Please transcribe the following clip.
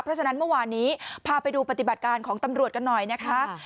เพราะฉะนั้นเมื่อวานนี้พาไปดูปฏิบัติการของตำรวจกันหน่อยนะคะ